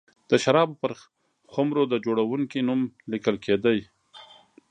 د شرابو پر خُمرو د جوړوونکي نوم لیکل کېده.